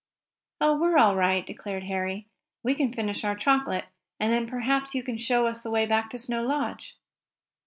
"Oh, we're all right," declared Harry. "We can finish our chocolate, and then perhaps you can show us the way back to Snow Lodge."